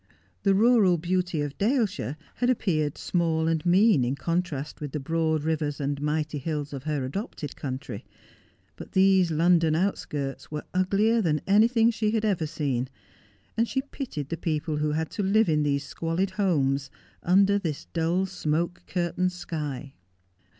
The rural beauty of Dale shire had appeared small and mean in contrast with the broad rivers and mighty hills of her adopted country ; but these London outskirts were uglier than anything she had ever seen, and she pitied the people who had to live in these squalid homes, under this dull smoke curtained sky.